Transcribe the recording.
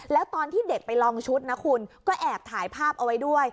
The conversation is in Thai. แล้วตอนที่เด็กไปลองชุดนะคุณก็แอบถ่ายภาพเอาไว้ด้วย